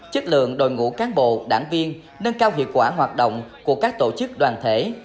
chất lượng đội ngũ cán bộ đảng viên nâng cao hiệu quả hoạt động của các tổ chức đoàn thể